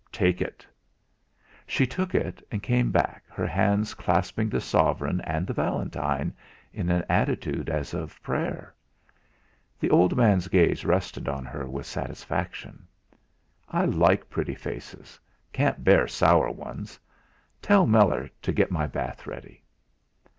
"Take it." She took it, and came back, her hands clasping the sovereign and the valentine, in an attitude as of prayer. The old man's gaze rested on her with satisfaction. "I like pretty faces can't bear sour ones. Tell Meller to get my bath ready."